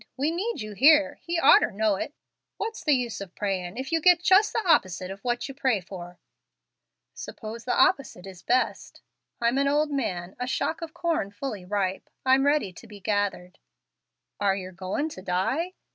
We need you here, and He orter know it. What's the use of prayin' if you get just the opposite of what you pray for?" "Suppose the opposite is best? I'm an old man a shock of corn fully ripe. I'm ready to be gathered." "Are yer goin' to die?"